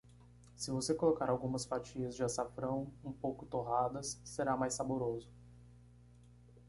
Se você colocar algumas fatias de açafrão um pouco torradas, será mais saboroso.